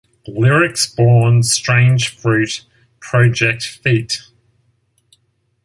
Lyrics Born, Strange Fruit Project Feat.